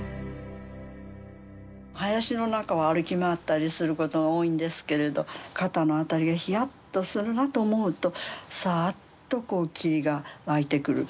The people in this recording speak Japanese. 林の中を歩き回ったりすることが多いんですけれど肩の辺りがヒヤッとするなと思うとさあっとこう霧が湧いてくる。